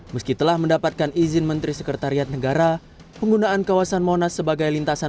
meski telah mendapatkan izin menteri sekretariat negara penggunaan kawasan monas sebagai lintasan